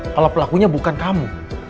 kalau pelakunya bukan kamu